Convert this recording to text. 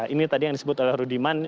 ini tadi yang disebut oleh rudi man